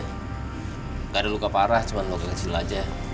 tidak ada luka parah cuma luka kecil aja